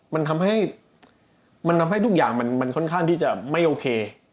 มันทำให้ทุกอย่างมันค่อนข้างที่จะไม่โอเค